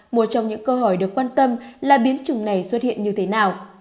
một trong những câu hỏi được quan tâm là biến chủng này xuất hiện như thế nào